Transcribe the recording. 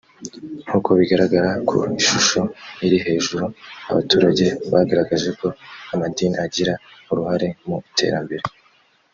nk’uko bigaragara ku ishusho iri hejuru abaturage bagaragaje ko amadini agira uruhare mu iterambere